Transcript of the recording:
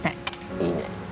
いいね。